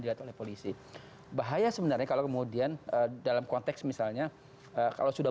dilihat oleh polisi bahaya sebenarnya kalau kemudian dalam konteks misalnya kalau sudah